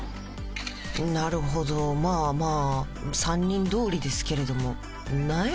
なるほどまあまあ３人どおりですけれども何や？